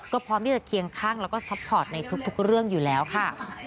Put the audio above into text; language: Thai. ก็พร้อมที่จะเคียงข้างแล้วก็ซัพพอร์ตในทุกเรื่องอยู่แล้วค่ะ